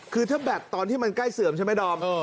คือถ้าแบตตอนที่มันใกล้เสื่อมใช่ไหมดอม